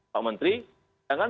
pak menteri jangan